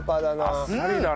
あっさりだなこれ。